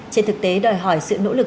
trên thực tế đòi hỏi sự nỗ lực